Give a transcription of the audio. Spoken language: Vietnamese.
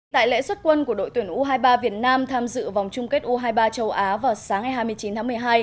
tại lễ xuất quân của đội tuyển u hai mươi ba việt nam tham dự vòng chung kết u hai mươi ba châu á vào sáng ngày hai mươi chín tháng một mươi hai